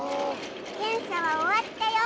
検査は終わったよ。